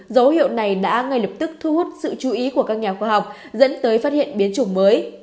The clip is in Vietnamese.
dấu hiệu này đã ngay lập tức thu hút sự chú ý của các nhà khoa học dẫn tới phát hiện biến chủng mới